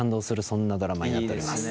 そんなドラマになっております。